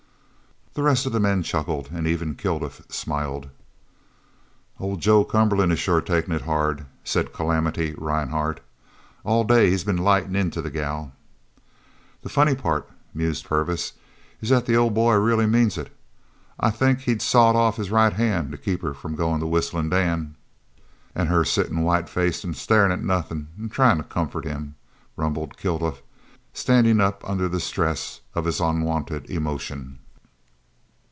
The rest of the men chuckled and even Kilduff smiled. "Old Joe Cumberland is sure takin' it hard," said "Calamity" Rhinehart. "All day he's been lightin' into the girl." "The funny part," mused Purvis, "is that the old boy really means it. I think he'd of sawed off his right hand to keep her from goin' to Whistlin' Dan." "An' her sittin' white faced an' starin' at nothin' an' tryin' to comfort him!" rumbled Kilduff, standing up under the stress of his unwonted emotion.